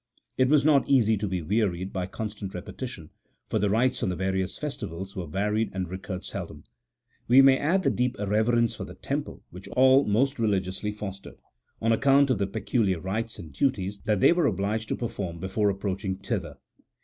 It was not easy to be wearied by constant repetition, for the rites on the various festivals were varied and recurred seldom. We may add the deep reverence for the Temple which all most religiously fostered, on account of the peculiar rites and duties that they were obliged to perform before approaching thither.